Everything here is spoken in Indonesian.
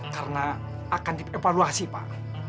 karena akan dievaluasi pak